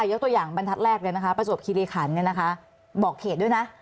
ยกตัวอย่างบรรทัดแรกประสบคิเรขันบอกเขตด้วยนะ